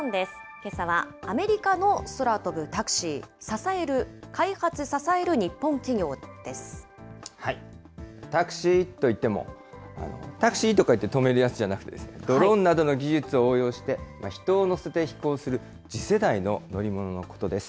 けさはアメリカの空飛ぶタクシー、支える、タクシーといっても、タクシーとか言って止めるやつじゃなくて、ドローンなどの技術を応用して、人を乗せて飛行する、次世代の乗り物のことです。